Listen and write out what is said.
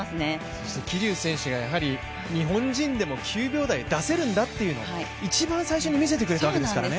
そして、桐生選手がやはり日本人選手でも９秒台出せるんだっていうのをいちばん最初に見せてくれたわけですからね。